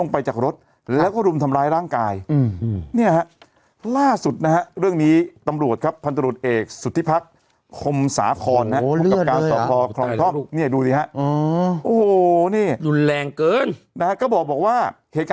ผมตายแล้วลูก